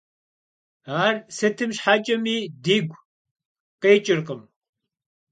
Ar sıtım şheç'emi digu kheç'ırkhım.